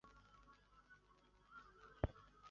乾隆二十九年改湖北巡抚。